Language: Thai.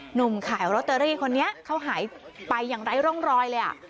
หนุ่มขายโรตเตอรี่คนนี้เขาหายไปอย่างไร้ร่องรอยเลย